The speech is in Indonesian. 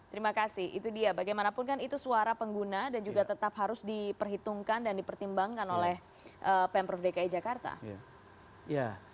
terima kasih itu dia bagaimanapun kan itu suara pengguna dan juga tetap harus diperhitungkan dan dipertimbangkan oleh pemprov dki jakarta